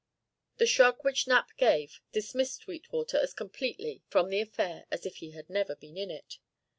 The shrug which Knapp gave dismissed Sweetwater as completely from the affair as if he had never been in it.